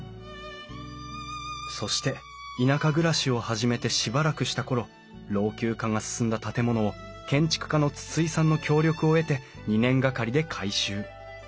そして田舎暮らしを始めてしばらくした頃老朽化が進んだ建物を建築家の筒井さんの協力を得て２年がかりで改修。